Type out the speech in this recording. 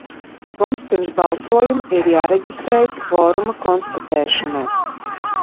Mums pirms balsojuma ir jāreģistrējas kvoruma konstatēšanai.